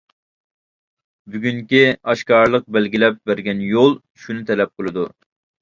بۈگۈنكى ئاشكارىلىق بەلگىلەپ بەرگەن يول شۇنى تەلەپ قىلىدۇ.